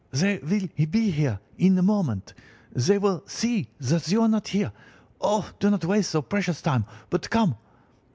'They will be here in a moment. They will see that you are not there. Oh, do not waste the so precious time, but come!